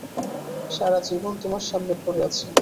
সারা জীবন তোমার সামনে পড়ে আছে।